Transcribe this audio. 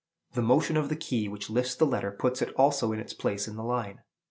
The motion of the key which lifts the letter puts it also in its place in the line.